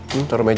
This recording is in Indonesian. hmm taruh di meja